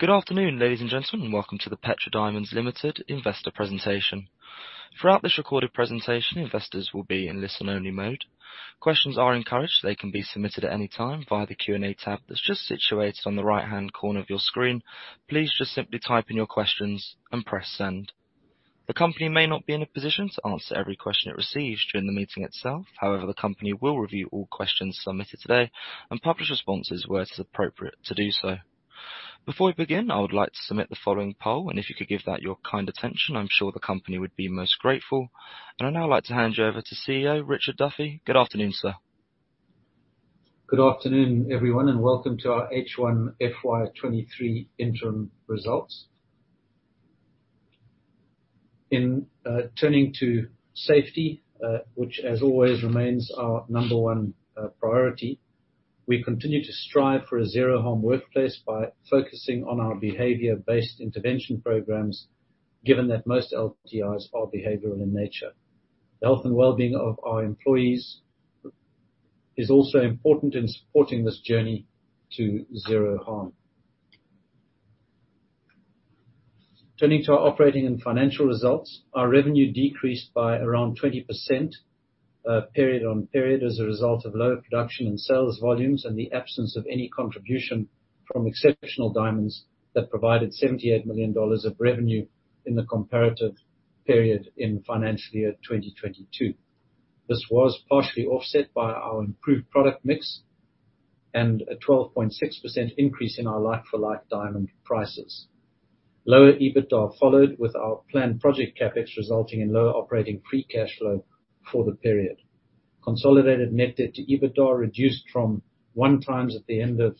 Good afternoon, ladies and gentlemen. Welcome to the Petra Diamonds Limited investor presentation. Throughout this recorded presentation, investors will be in listen-only mode. Questions are encouraged. They can be submitted at any time via the Q&A tab that's just situated on the right-hand corner of your screen. Please just simply type in your questions and press send. The company may not be in a position to answer every question it receives during the meeting itself. However, the company will review all questions submitted today and publish responses where it is appropriate to do so. Before we begin, I would like to submit the following poll, and if you could give that your kind attention, I'm sure the company would be most grateful. I'd now like to hand you over to CEO Richard Duffy. Good afternoon, sir. Good afternoon, everyone. Welcome to our H1 FY 2023 interim results. In turning to safety, which as always remains our number one priority, we continue to strive for a zero-harm workplace by focusing on our behavior-based intervention programs, given that most LTIs are behavioral in nature. The health and well-being of our employees is also important in supporting this journey to zero harm. Turning to our operating and financial results, our revenue decreased by around 20% period-on-period as a result of lower production and sales volumes and the absence of any contribution from exceptional diamonds that provided $78 million of revenue in the comparative period in financial year 2022. This was partially offset by our improved product mix and a 12.6% increase in our like-for-like diamond prices. Lower EBITDA followed with our planned project CapEx resulting in lower operating free cash flow for the period. Consolidated net debt to EBITDA reduced from 1x at the end of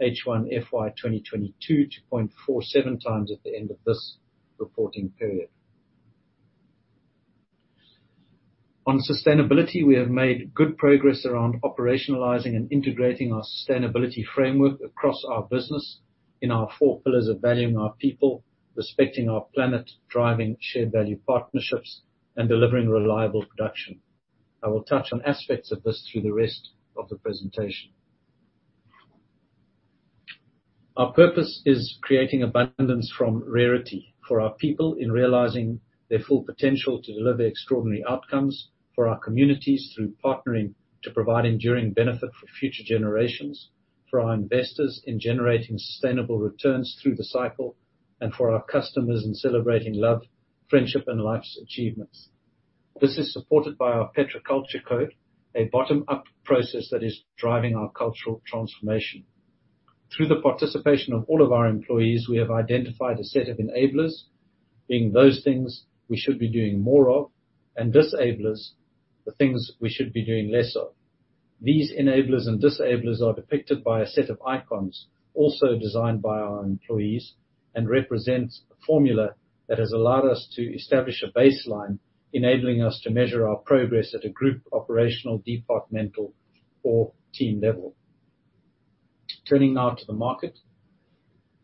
H1 FY22 to 0.47x at the end of this reporting period. On sustainability, we have made good progress around operationalizing and integrating our sustainability framework across our business in our four pillars of valuing our people, respecting our planet, driving shared value partnerships, and delivering reliable production. I will touch on aspects of this through the rest of the presentation. Our purpose is creating abundance from rarity for our people in realizing their full potential to deliver extraordinary outcomes for our communities through partnering to provide enduring benefit for future generations, for our investors in generating sustainable returns through the cycle, and for our customers in celebrating love, friendship, and life's achievements. This is supported by our Petra Culture Code, a bottom-up process that is driving our cultural transformation. Through the participation of all of our employees, we have identified a set of enablers, being those things we should be doing more of, and disablers, the things we should be doing less of. These enablers and disablers are depicted by a set of icons, also designed by our employees, and represents a formula that has allowed us to establish a baseline, enabling us to measure our progress at a group, operational, departmental, or team level. Turning now to the market.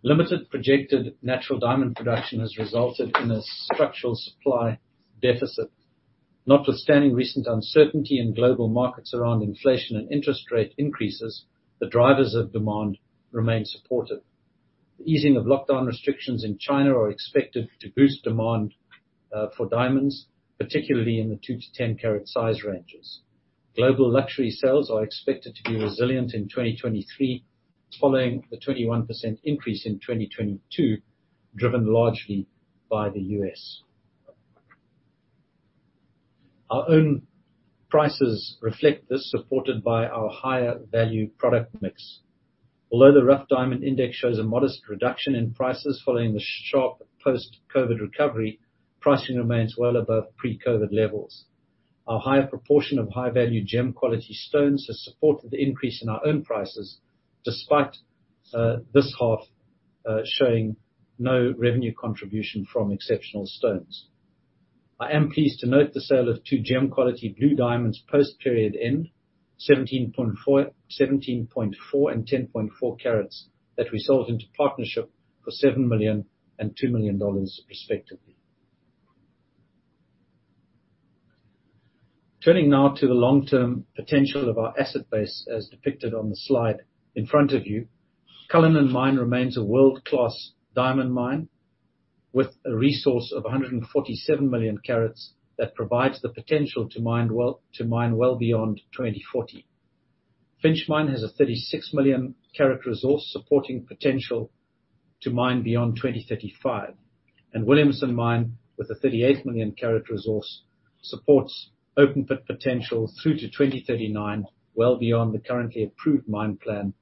Limited projected natural diamond production has resulted in a structural supply deficit. Notwithstanding recent uncertainty in global markets around inflation and interest rate increases, the drivers of demand remain supported. The easing of lockdown restrictions in China are expected to boost demand for diamonds, particularly in the two to 10 carat size ranges. global luxury sales are expected to be resilient in 2023, following the 21% increase in 2022, driven largely by the U.S. Our own prices reflect this, supported by our higher value product mix. Although the rough diamond index shows a modest reduction in prices following the sharp post-COVID recovery, pricing remains well above pre-COVID levels. Our higher proportion of high-value gem quality stones has supported the increase in our own prices, despite this half showing no revenue contribution from exceptional stones. I am pleased to note the sale of two gem quality blue diamonds post-period end, 17.4 and 10.4 carats, that we sold into partnership for $7 million and $2 million respectively. Turning now to the long-term potential of our asset base as depicted on the slide in front of you. Cullinan mine remains a world-class diamond mine with a resource of 147,000,000 carats that provides the potential to mine well beyond 2040. Finsch mine has a 36,000,000 carat resource supporting potential to mine beyond 2035. Williamson mine, with a 38,000,000 carat resource, supports open pit potential through to 2039, well beyond the currently approved mine plan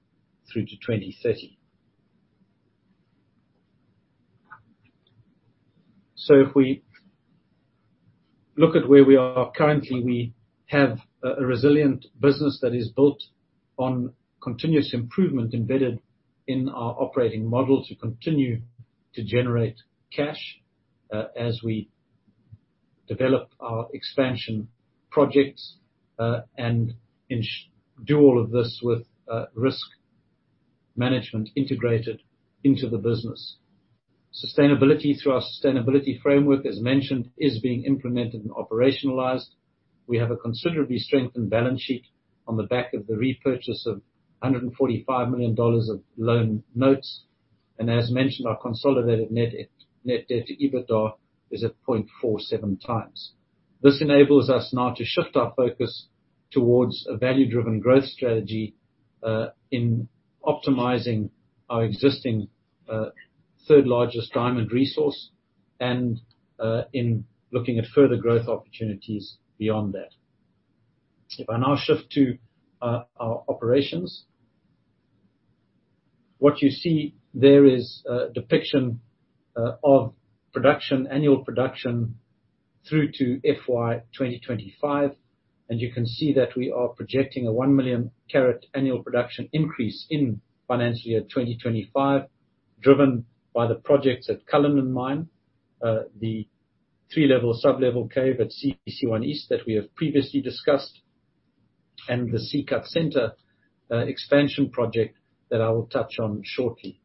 through to 2030. If we look at where we are currently, we have a resilient business that is built on continuous improvement embedded in our operating model to continue to generate cash as we develop our expansion projects and do all of this with risk management integrated into the business. Sustainability through our sustainability framework, as mentioned, is being implemented and operationalized. We have a considerably strengthened balance sheet on the back of the repurchase of $145 million of loan notes. As mentioned, our consolidated net debt to EBITDA is at 0.47x. This enables us now to shift our focus towards a value-driven growth strategy in optimizing our existing third largest diamond resource and in looking at further growth opportunities beyond that. If I now shift to our operations. What you see there is a depiction of production, annual production through to FY 2025, and you can see that we are projecting a 1,000,000 carat annual production increase in financial year 2025, driven by the projects at Cullinan Mine, the 3-level sublevel cave at CC1-East that we have previously discussed, and the C-Cut center expansion project that I will touch on shortly.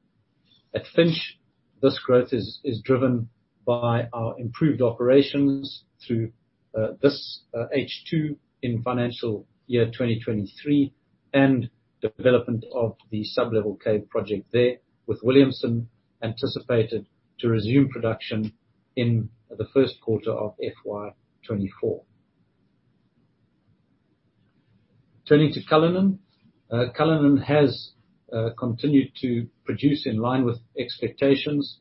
At Finsch, this growth is driven by our improved operations through this H2 in financial year 2023, and development of the sublevel cave project there, with Williamson anticipated to resume production in the first quarter of FY 2024. Turning to Cullinan. Cullinan has continued to produce in line with expectations,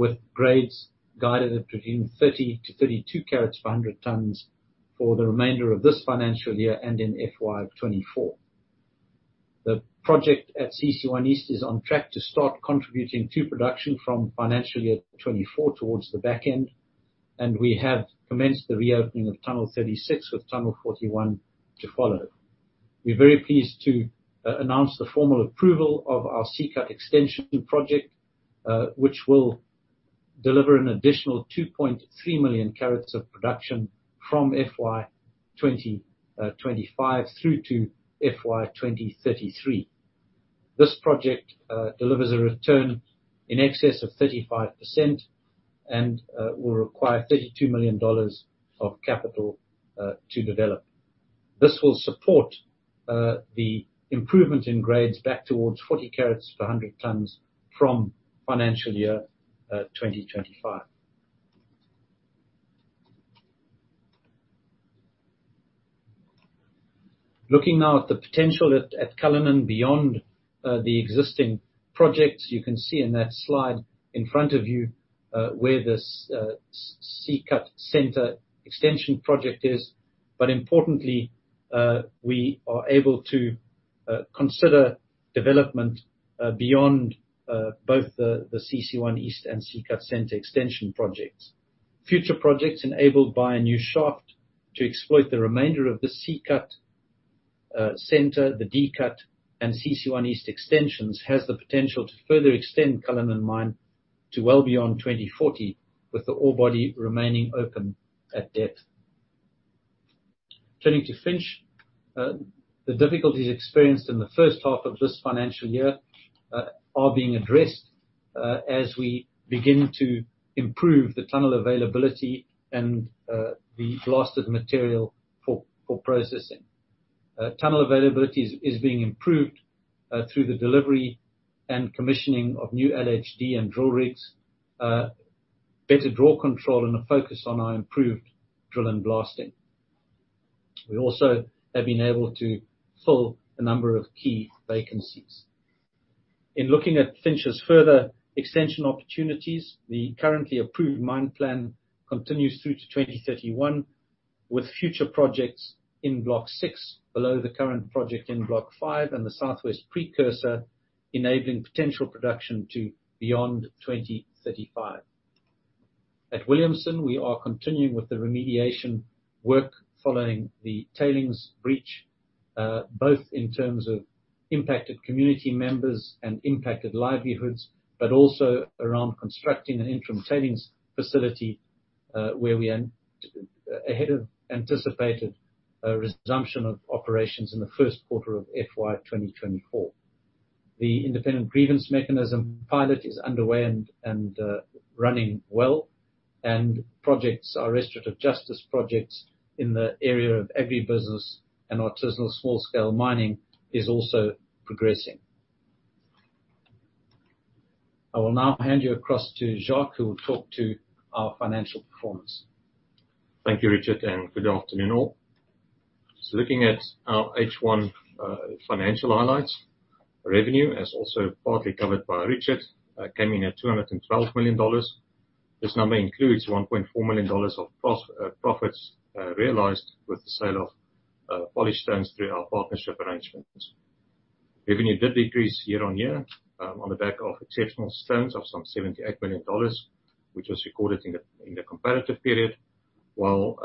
with grades guided between 30-32 carats per hundred tonnes for the remainder of this financial year and in FY 2024. The project at CC1-East is on track to start contributing to production from financial year 2024 towards the back end. We have commenced the reopening of tunnel 36, with tunnel 41 to follow. We're very pleased to announce the formal approval of our C-Cut extension project, which will deliver an additional 2,300,000 carats of production from FY 2025 through to FY 2033. This project delivers a return in excess of 35% and will require $32 million of capital to develop. This will support the improvement in grades back towards 40 carats per hundred tonnes from financial year 2025. Looking now at the potential at Cullinan beyond the existing projects. You can see in that slide in front of you, where this C-Cut center extension project is. Importantly, we are able to consider development beyond both the CC1-East and C-Cut center extension projects. Future projects enabled by a new shaft to exploit the remainder of the C-Cut center, the D-Cut and CC1-East extensions has the potential to further extend Cullinan Mine to well beyond 2040, with the ore body remaining open at depth. Turning to Finsch. The difficulties experienced in the first half of this financial year are being addressed as we begin to improve the tunnel availability and the blasted material for processing. Tunnel availability is being improved through the delivery and commissioning of new LHD and drill rigs, better draw control and a focus on our improved drill and blasting. We also have been able to fill a number of key vacancies. In looking at Finsch's further extension opportunities, the currently approved mine plan continues through to 2031, with future projects in Block 6 below the current project in Block 5 and the South West Precursor, enabling potential production to beyond 2035. At Williamson, we are continuing with the remediation work following the tailings breach, both in terms of impacted community members and impacted livelihoods, but also around constructing an interim tailings facility, where we are ahead of anticipated resumption of operations in the Q1 of FY 2024. The independent grievance mechanism pilot is underway and running well, and projects, our Restorative Justice projects in the area of agri business and artisanal small-scale mining is also progressing. I will now hand you across to Jacques, who will talk to our financial performance. Thank you, Richard. Good afternoon all. Looking at our H1 financial highlights, revenue as also partly covered by Richard, came in at $212 million. This number includes $1.4 million of profits realized with the sale of polished stones through our partnership arrangements. Revenue did decrease year-over-year on the back of exceptional stones of some $78 million, which was recorded in the comparative period, while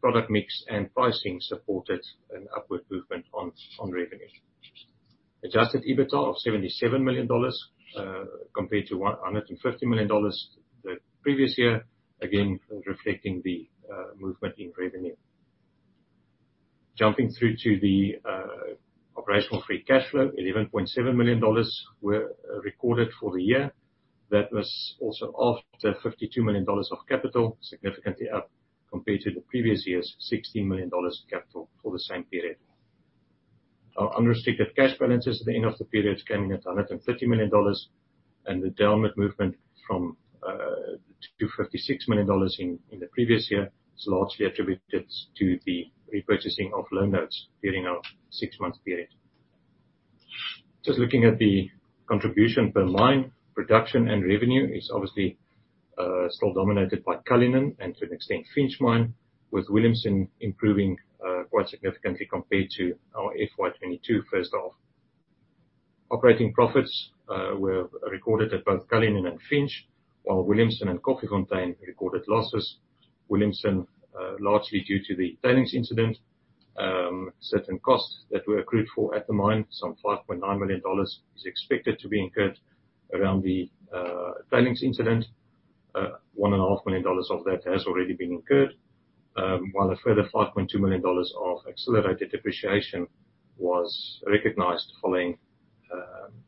product mix and pricing supported an upward movement on revenue. Adjusted EBITDA of $77 million compared to $150 million the previous year, again reflecting the movement in revenue. Jumping through to the operational free cash flow, $11.7 million were recorded for the year. That was also after $52 million of capital, significantly up compared to the previous year's $16 million capital for the same period. Our unrestricted cash balances at the end of the period came in at $130 million, and the downward movement from $256 million in the previous year is largely attributed to the repurchasing of loan notes during our six month period. Just looking at the contribution per mine, production and revenue is obviously still dominated by Cullinan and to an extent Finsch mine, with Williamson improving quite significantly compared to our FY 2022 first half. Operating profits were recorded at both Cullinan and Finsch, while Williamson and Koffiefontein recorded losses. Williamson largely due to the tailings incident. Certain costs that were accrued for at the mine, some $5.9 million is expected to be incurred around the tailings incident. $1,500,000 of that has already been incurred, while a further $5.2 million of accelerated depreciation was recognized following,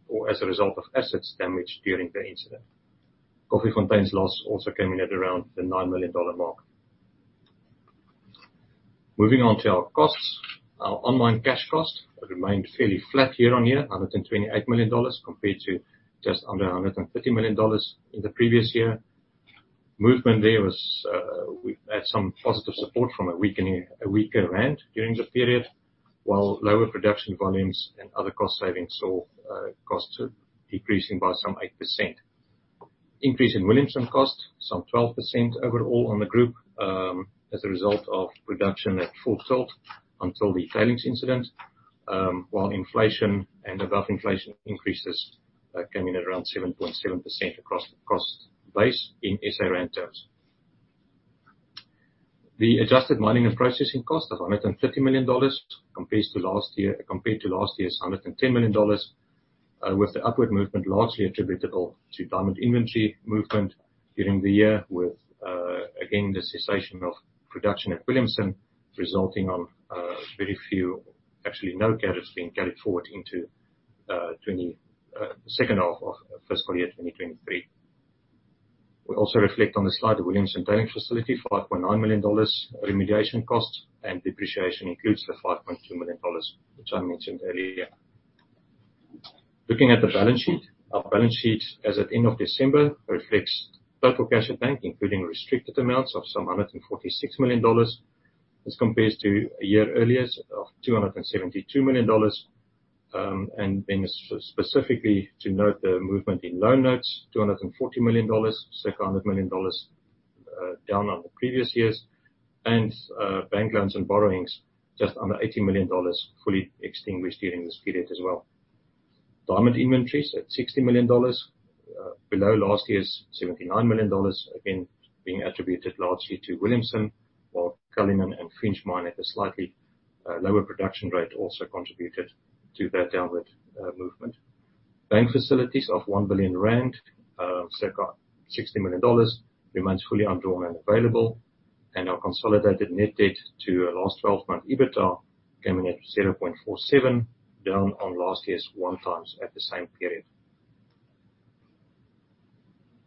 or as a result of assets damaged during the incident. Koffiefontein's loss also came in at around the $9 million mark. Moving on to our costs. Our online cash cost remained fairly flat year-on-year, $128 million compared to just under $130 million in the previous year. Movement there was, we had some positive support from a weaker rand during the period, while lower production volumes and other cost savings saw costs decreasing by some 8%. Increase in Williamson costs some 12% overall on the group, as a result of production at full tilt until the tailings incident, while inflation and above inflation increases came in at around 7.7% across the cost base in SA rand terms. The adjusted mining and processing costs of $130 million compared to last year's $110 million, with the upward movement largely attributable to diamond inventory movement during the year with, again, the cessation of production at Williamson resulting of very few, actually no carats being carried forward into the second half of fiscal year 2023. We also reflect on the slide the Williamson tailings facility, $5.9 million remediation costs, and depreciation includes the $5.2 million, which I mentioned earlier. Looking at the balance sheet. Our balance sheet as at end of December reflects total cash at bank, including restricted amounts of some $146 million as compares to a year earlier of $272 million. Specifically to note the movement in loan notes, $240 million, circa $100 million, down on the previous years. Bank loans and borrowings just under $80 million, fully extinguished during this period as well. Diamond inventories at $60 million, below last year's $79 million, again being attributed largely to Williamson, while Cullinan and Finsch mine at a slightly lower production rate also contributed to that downward movement. Bank facilities of 1 billion rand, circa $60 million, remains fully undrawn and available. Our consolidated net debt to our last 12-month EBITDA coming at 0.47, down on last year's 1x at the same period.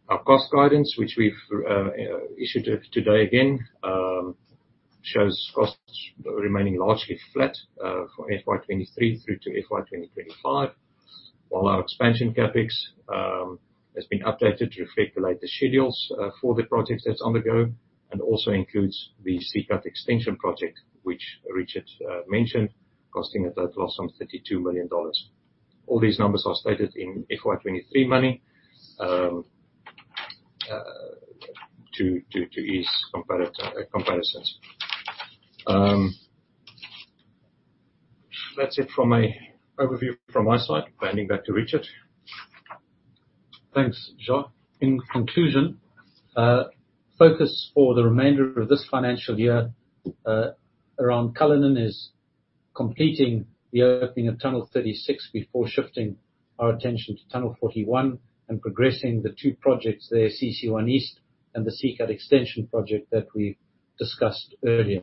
Our cost guidance, which we've issued today again, shows costs remaining largely flat for FY 2023 through to FY 2025. While our expansion CapEx has been updated to reflect the latest schedules for the projects that's ongoing, and also includes the C-Cut extension project, which Richard mentioned, costing a total of some $32 million. All these numbers are stated in FY 2023 money, to ease comparisons. That's it from my overview from my side. Handing back to Richard. Thanks, Jacques. In conclusion, focus for the remainder of this financial year, around Cullinan is completing the opening of tunnel 36 before shifting our attention to tunnel 41 and progressing the two projects there, CC1-East and the C-Cut extension project that we discussed earlier.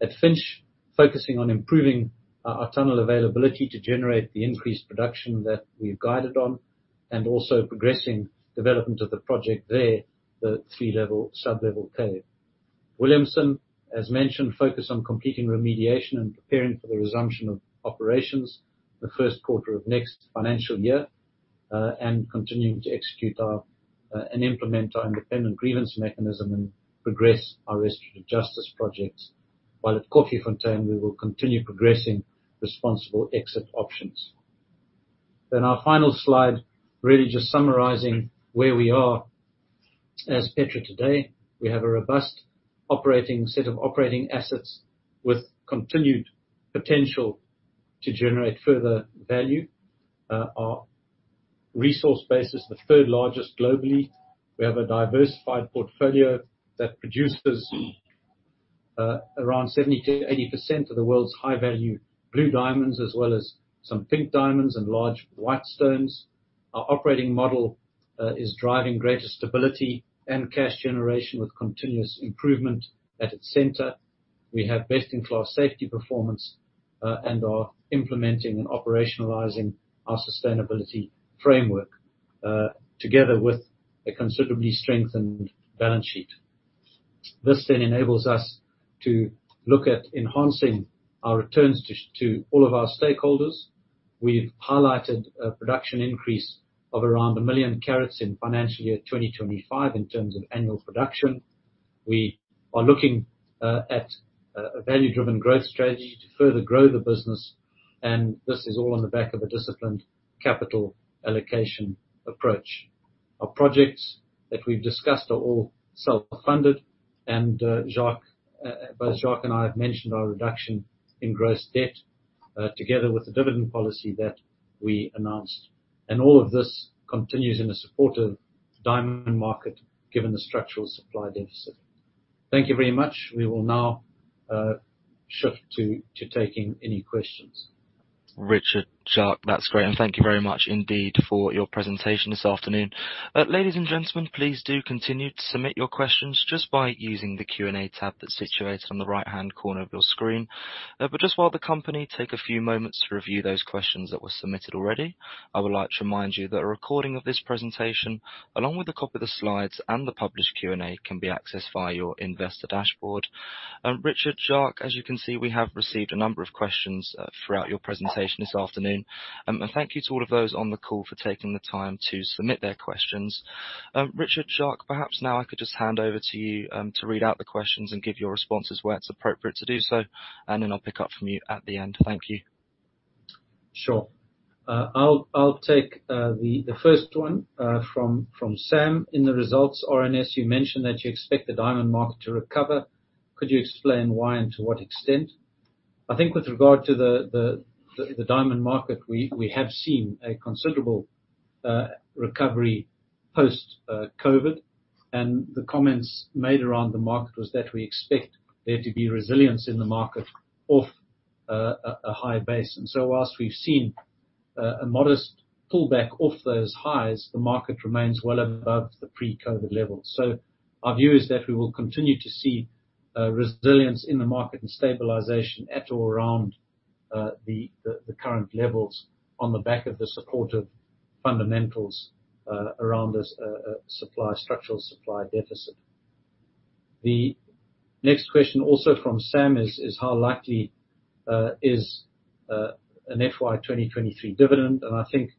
At Finsch, focusing on improving our tunnel availability to generate the increased production that we've guided on, and also progressing development of the project there, the 3-level sublevel cave. Williamson, as mentioned, focused on completing remediation and preparing for the resumption of operations the Q1 of next financial year, and continuing to execute our and implement our independent grievance mechanism and progress our Restorative Justice projects. While at Koffiefontein, we will continue progressing responsible exit options. Our final slide, really just summarizing where we are as Petra today. We have a robust set of operating assets with continued potential to generate further value. Our resource base is the third largest globally. We have a diversified portfolio that produces 70%-80% of the world's high-value blue diamonds, as well as some pink diamonds and large white stones. Our operating model is driving greater stability and cash generation with continuous improvement at its center. We have best-in-class safety performance and are implementing and operationalizing our sustainability framework together with a considerably strengthened balance sheet. This enables us to look at enhancing our returns to all of our stakeholders. We've highlighted a production increase of around 1,000,000 carats in financial year 2025 in terms of annual production. We are looking at a value-driven growth strategy to further grow the business. This is all on the back of a disciplined capital allocation approach. Our projects that we've discussed are all self-funded. Jacques, both Jacques and I have mentioned our reduction in gross debt, together with the dividend policy that we announced. All of this continues in a supportive diamond market given the structural supply deficit. Thank you very much. We will now shift to taking any questions. Richard, Jacques, that's great, thank you very much indeed for your presentation this afternoon. Ladies and gentlemen, please do continue to submit your questions just by using the Q&A tab that's situated on the right-hand corner of your screen. Just while the company take a few moments to review those questions that were submitted already, I would like to remind you that a recording of this presentation, along with a copy of the slides and the published Q&A, can be accessed via your investor dashboard. Richard, Jacques, as you can see, we have received a number of questions throughout your presentation this afternoon. Thank you to all of those on the call for taking the time to submit their questions. Richard, Jacques, perhaps now I could just hand over to you, to read out the questions and give your responses where it's appropriate to do so, and then I'll pick up from you at the end. Thank you. Sure. I'll take the first one from Sam. In the results, RNS, you mentioned that you expect the diamond market to recover. Could you explain why and to what extent? I think with regard to the diamond market, we have seen a considerable recovery post COVID, and the comments made around the market was that we expect there to be resilience in the market off a high base. Whilst we've seen a modest pullback off those highs, the market remains well above the pre-COVID levels. Our view is that we will continue to see resilience in the market and stabilization at or around the current levels on the back of the supportive fundamentals around this supply, structural supply deficit. The next question, also from Sam, is how likely is an FY 2023 dividend? I think,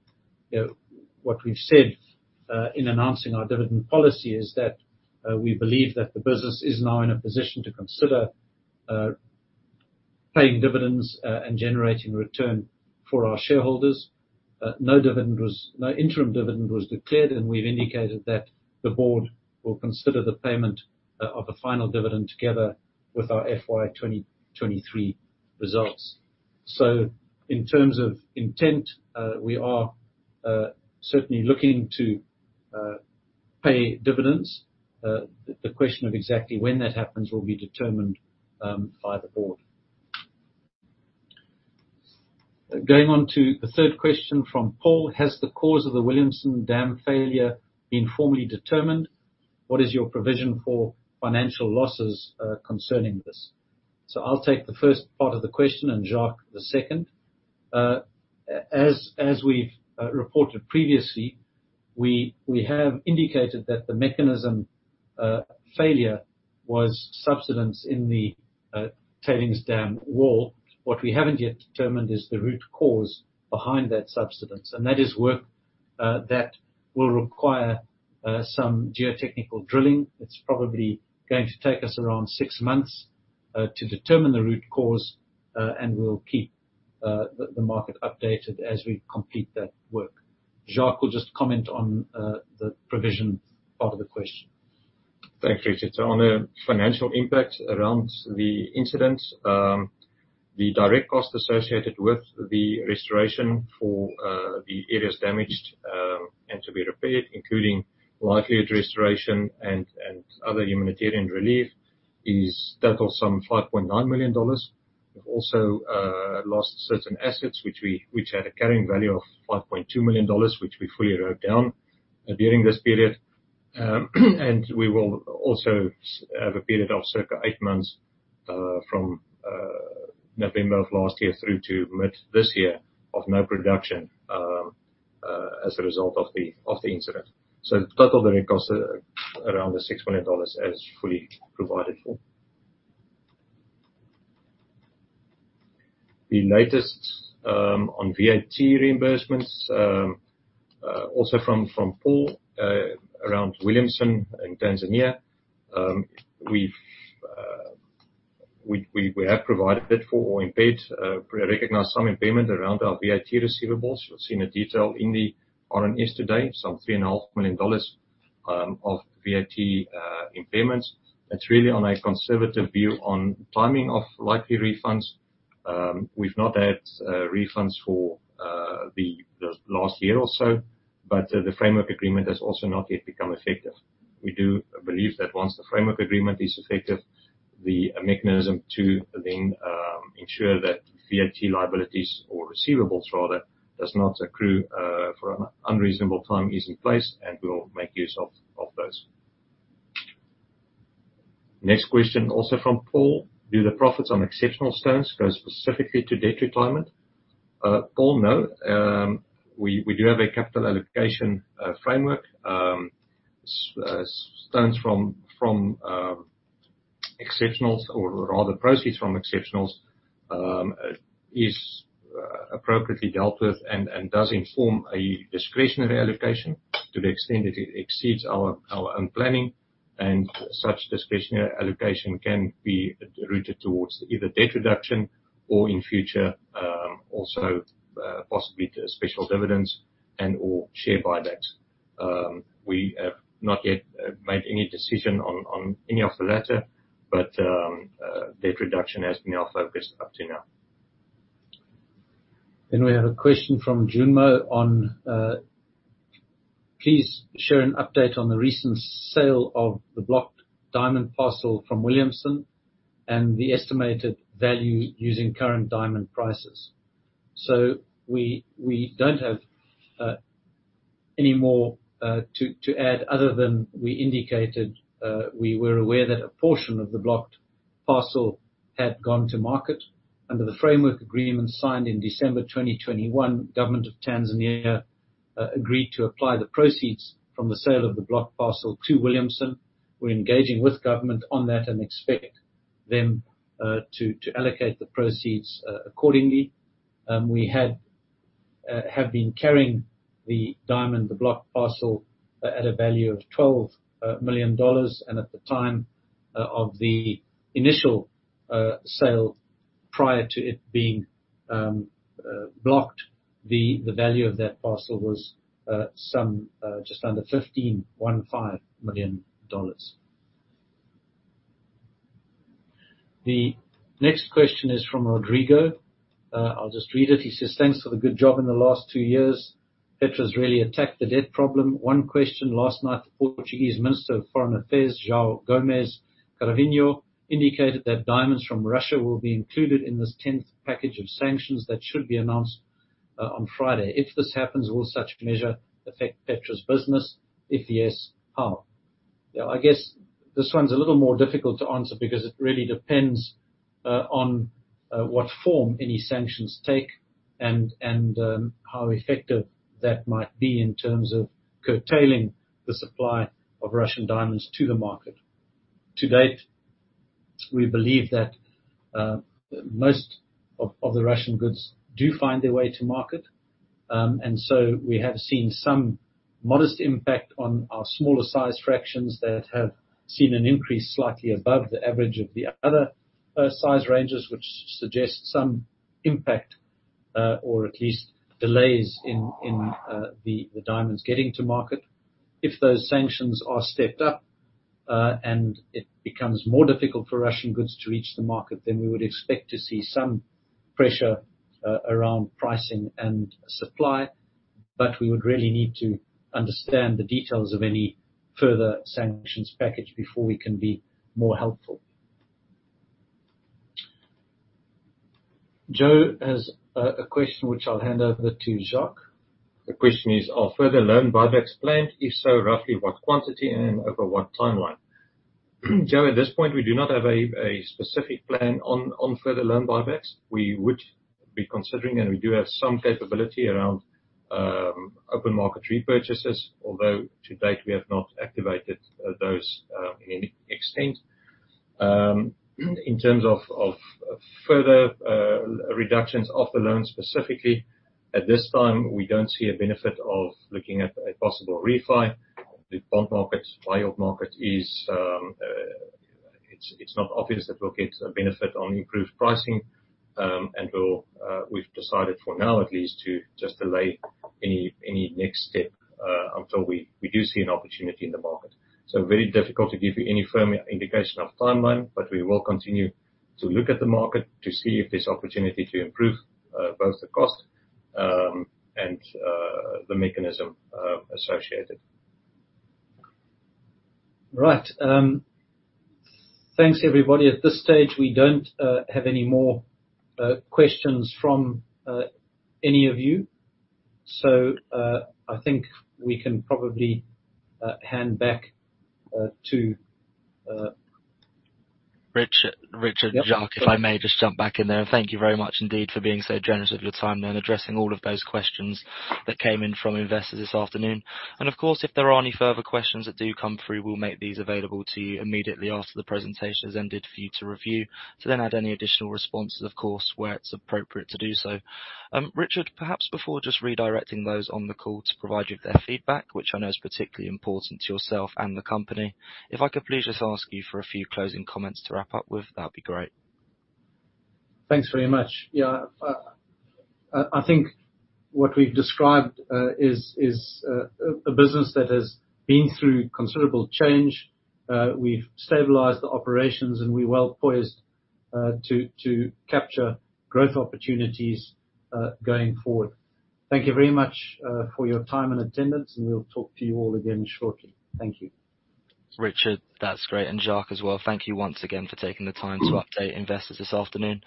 you know, what we've said in announcing our dividend policy is that we believe that the business is now in a position to consider paying dividends and generating return for our shareholders. No interim dividend was declared, and we've indicated that the board will consider the payment of a final dividend together with our FY 2023 results. In terms of intent, we are certainly looking to pay dividends. The question of exactly when that happens will be determined by the board. Going on to the third question from Paul. Has the cause of the Williamson dam failure been formally determined? What is your provision for financial losses concerning this? I'll take the first part of the question and Jacques the second. As we've reported previously, we have indicated that the mechanism failure was subsidence in the tailings dam wall. What we haven't yet determined is the root cause behind that subsidence, that is work that will require some geotechnical drilling. It's probably going to take us around six months to determine the root cause, we'll keep the market updated as we complete that work. Jacques will just comment on the provision part of the question. Thanks, Richard. On the financial impact around the incident, the direct cost associated with the restoration for the areas damaged and to be repaired, including likelihood restoration and other humanitarian relief, is total of some $5.9 million. We've also lost certain assets which had a carrying value of $5.2 million, which we fully wrote down during this period. And we will also have a period of circa eight months from November of last year through to mid this year, of no production as a result of the incident. Total direct costs are around the $6 million as fully provided for. The latest on VAT reimbursements also from Paul around Williamson in Tanzania, we've provided that or in paid pre-recognized some impairment around our VAT receivables. You'll see in the detail in the RNS today some $3.5 million of VAT impairments. It's really on a conservative view on timing of likely refunds. We've not had refunds for the last year or so, but the Framework Agreement has also not yet become effective. We do believe that once the Framework Agreement is effective, the mechanism to then ensure that VAT liabilities or receivables rather, does not accrue for an unreasonable time is in place, and we'll make use of those. Next question, also from Paul: Do the profits on exceptional stones go specifically to debt retirement? Paul, no. We do have a capital allocation framework. Stones from exceptionals or rather proceeds from exceptionals is appropriately dealt with and does inform a discretionary allocation to the extent that it exceeds our own planning. Such discretionary allocation can be routed towards either debt reduction or in future, also possibly to special dividends and/or share buybacks. We have not yet made any decision on any of the latter, but debt reduction has been our focus up to now. We have a question from Junmo on, please share an update on the recent sale of the blocked diamond parcel from Williamson and the estimated value using current diamond prices. We don't have any more to add other than we indicated. We were aware that a portion of the blocked parcel had gone to market. Under the Framework Agreement signed in December 2021, Government of Tanzania agreed to apply the proceeds from the sale of the blocked parcel to Williamson. We're engaging with government on that and expect them to allocate the proceeds accordingly. We have been carrying the blocked parcel at a value of $12 million. At the time, of the initial sale prior to it being blocked, the value of that parcel was just under $15 million. The next question is from Rodrigo. I'll just read it. He says, "Thanks for the good job in the last two years. Petra's really attacked the debt problem. One question, last night, the Portuguese Minister of Foreign Affairs, João Gomes Cravinho, indicated that diamonds from Russia will be included in this 10th package of sanctions that should be announced on Friday. If this happens, will such measure affect Petra's business? If yes, how?" I guess this one's a little more difficult to answer because it really depends on what form any sanctions take and how effective that might be in terms of curtailing the supply of Russian diamonds to the market. To date, we believe that most of the Russian goods do find their way to market. We have seen some modest impact on our smaller size fractions that have seen an increase slightly above the average of the other size ranges, which suggests some impact or at least delays in the diamonds getting to market. If those sanctions are stepped up, and it becomes more difficult for Russian goods to reach the market, then we would expect to see some pressure around pricing and supply. We would really need to understand the details of any further sanctions package before we can be more helpful. Joe has a question which I'll hand over to Jacques. The question is, are further loan buybacks planned? If so, roughly what quantity and over what timeline? Joe, at this point, we do not have a specific plan on further loan buybacks. We would be considering, and we do have some capability around open market repurchases. Although, to date, we have not activated those in any extent. In terms of further reductions of the loan specifically, at this time, we don't see a benefit of looking at a possible refi. The bond market, buy of market is, it's not obvious that we'll get a benefit on improved pricing. We'll, we've decided for now at least to just delay any next step until we do see an opportunity in the market. Very difficult to give you any firm indication of timeline, but we will continue to look at the market to see if there's opportunity to improve, both the cost, and the mechanism associated. Right. Thanks, everybody. At this stage, we don't have any more questions from any of you. I think we can probably hand back, to. Richard and Jacques. Yep. If I may just jump back in there. Thank you very much indeed for being so generous with your time and addressing all of those questions that came in from investors this afternoon. If there are any further questions that do come through, we'll make these available to you immediately after the presentation has ended for you to review. Add any additional responses, of course, where it's appropriate to do so. Richard, perhaps before just redirecting those on the call to provide you with their feedback, which I know is particularly important to yourself and the company, if I could please just ask you for a few closing comments to wrap up with, that'd be great. Thanks very much. Yeah. I think what we've described, is, a business that has been through considerable change. We've stabilized the operations, and we're well-poised, to capture growth opportunities, going forward. Thank you very much, for your time and attendance, and we'll talk to you all again shortly. Thank you. Richard, that's great. Jacques as well. Thank you once again for taking the time to update investors this afternoon.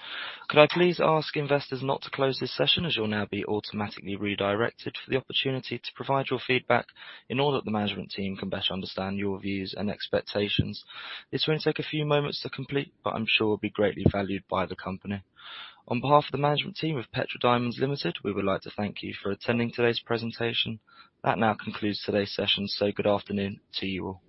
Could I please ask investors not to close this session, as you'll now be automatically redirected for the opportunity to provide your feedback, in order that the management team can best understand your views and expectations. It's gonna take a few moments to complete, but I'm sure will be greatly valued by the company. On behalf of the management team of Petra Diamonds Limited, we would like to thank you for attending today's presentation. That now concludes today's session. Good afternoon to you all.